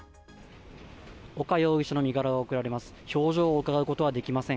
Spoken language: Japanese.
丘容疑者の身柄が送られます。